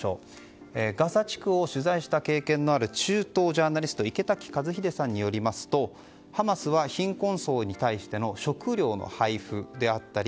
ガザ地区を取材した経験のある中東ジャーナリスト池滝和秀さんによりますとハマスは、貧困層に対しての食料の配布であったり